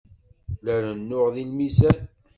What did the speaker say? La rennuɣ deg lmizan.